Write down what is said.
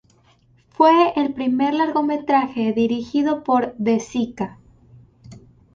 Fue el primer largometraje dirigido por De Sica.